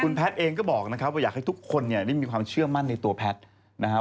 แพทย์เองก็บอกนะครับว่าอยากให้ทุกคนเนี่ยได้มีความเชื่อมั่นในตัวแพทย์นะครับ